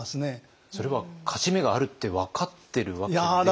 それは勝ち目があるって分かってるわけでは。